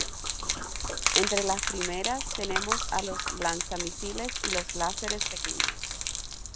Entre las primeras tenemos a los lanzamisiles y a los láseres pequeños.